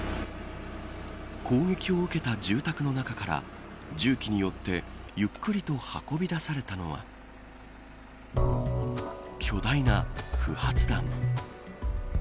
攻撃を受けた住宅の中から重機によってゆっくりと運び出されたのは巨大な不発弾。